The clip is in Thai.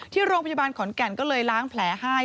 ที่โรงพยาบาลขอนแก่นก็เลยล้างแผลให้